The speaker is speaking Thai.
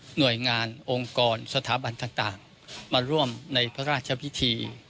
หน่วยงานองค์กรสถาบันต่างมาร่วมในพระราชพิธี